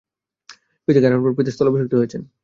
পিতাকে হারানোর পর পিতার স্থলাভিষিক্ত হয়েছেন।